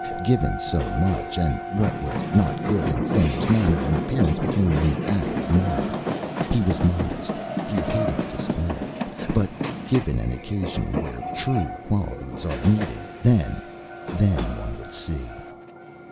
Given so much, and what was not good in Filmer's manner and appearance became an added merit. He was modest, he hated display, but given an occasion where TRUE qualities are needed, then then one would see!